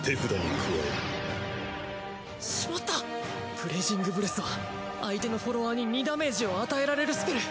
ブレイジングブレスは相手のフォロワーに２ダメージを与えられるスペル。